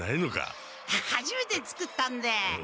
はじめて作ったんで。